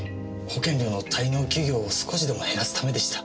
保険料の滞納企業を少しでも減らすためでした。